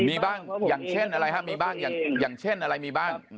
มีบ้างอย่างเช่นอะไรฮะมีบ้างอย่างเช่นอะไรมีบ้าง